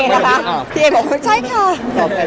พี่เอ๊ยฮะพี่เอ๊ยฮะพี่เอ๊ยฮะพี่เอ๊ยฮะ